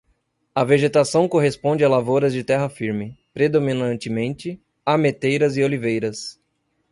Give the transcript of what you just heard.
A vegetação corresponde a lavouras de terra firme, predominantemente ameteiras e oliveiras.